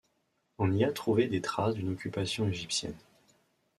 On y a trouvé des traces d'une occupation égyptienne.